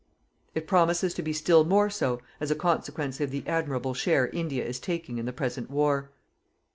It promises to be still more so, as a consequence of the admirable share India is taking in the present war.